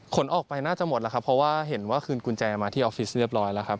ออกไปน่าจะหมดแล้วครับเพราะว่าเห็นว่าคืนกุญแจมาที่ออฟฟิศเรียบร้อยแล้วครับ